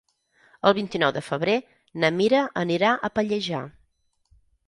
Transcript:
El vint-i-nou de febrer na Mira anirà a Pallejà.